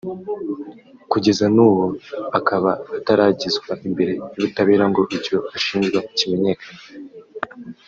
kugeza n’ubu akaba ataragezwa imbere y’ubutabera ngo icyo ashinjwa kimenyekane